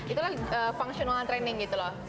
itulah fungsionalan training gitu loh